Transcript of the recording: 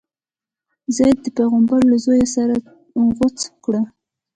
یزید د پیغمبر له زویه سر غوڅ کړی.